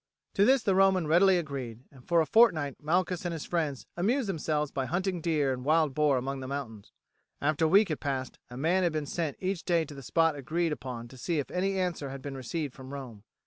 To this the Roman readily agreed, and for a fortnight Malchus and his friends amused themselves by hunting deer and wild boar among the mountains. After a week had passed a man had been sent each day to the spot agreed upon to see if any answer had been received from Rome.